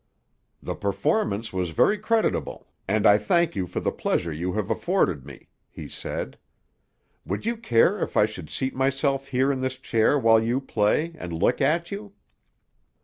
"The performance was very creditable, and I thank you for the pleasure you have afforded me," he said. "Would you care if I should seat myself here in this chair while you play, and look at you?"